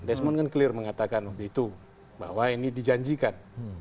desmond kan clear mengatakan waktu itu bahwa ini dijanjikan